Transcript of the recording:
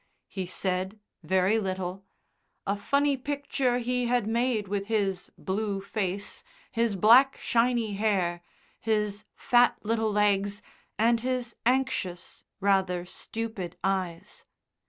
He said very little; a funny picture he had made with his blue face, his black shiny hair, his fat little legs, and his anxious, rather stupid eyes.